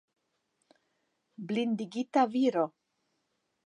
Blindigita viro!